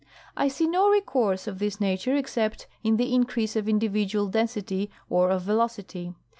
I see no recourse of this nature except in the increase of individual density or of velocity.